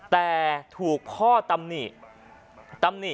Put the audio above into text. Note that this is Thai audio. แต่ถูกพ่อตำหนิ